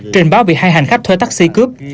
trình báo bị hai hành khách thuê taxi cướp